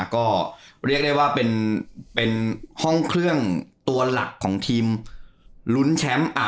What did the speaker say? ก็เรียกได้ว่าเป็นห้องเครื่องตัวหลักของทีมลุ้นแชมป์